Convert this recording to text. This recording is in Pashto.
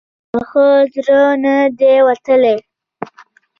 په ښه زړه نه دی وتلی.